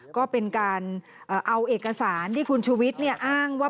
ก็เป็นการเอาเอกสารที่คุณชุวิตอ้างว่า